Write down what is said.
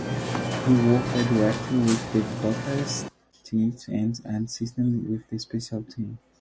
He worked directly with the Buckeyes tight ends and assisted with the special teams.